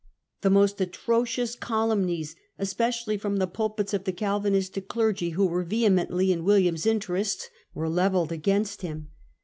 The most atrocious calumnies, especially from the murder of pulpits of the Calvinistic clergy, who were De Witt. vehemently in William's interest, were now levelled against him.